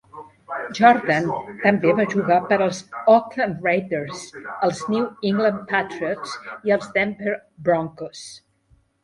Jordan també va jugar per als Oakland Raiders, els New England Patriots i els Denver Broncos.